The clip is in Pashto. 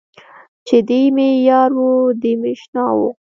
چې دی مې یار و، دی مې اشنا و.